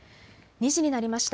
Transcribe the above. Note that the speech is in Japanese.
２時になりました。